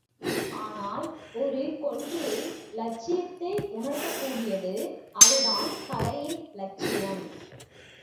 ஆனால் ஒரு கொள்கையை இலட்சியத்தை உணர்த்தக்கூடியது, அது தான் கலையின் இலட்சியம்.